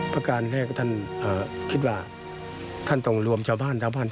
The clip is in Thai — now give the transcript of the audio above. พระอาณเขาคิดว่าเขาต้องรวมชาวบ้าน